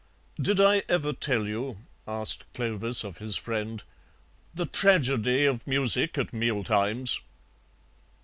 "Did I ever tell you," asked Clovis of his friend, "the tragedy of music at mealtimes?